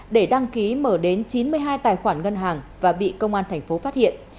để đăng ký mở đến chín mươi hai tài khoản ngân hàng và bị công an thành phố phát hiện